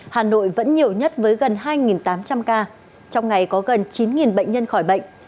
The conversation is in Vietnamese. hà nội vẫn nhiều nhất với gần hai tám trăm linh ca trong ngày có gần chín bệnh nhân khỏi bệnh